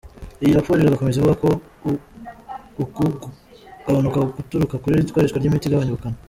Iyi raprp igakomeza ivuga ko uku kugabanuka guturuka ku ikoreshwa ry’imiti igabanya ubukana.